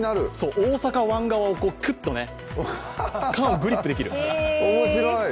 大阪湾側をクッとね缶をグリップできる。